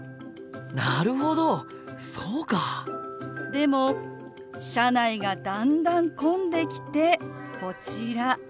でも車内がだんだん混んできてこちら。